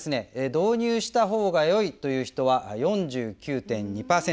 「導入したほうがよい」という人は４９．２％。